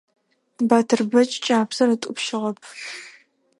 Батырбэч кӀапсэр ытӀупщыгъэп.